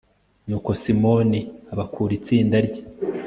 nuko simoni abakura itsinda rye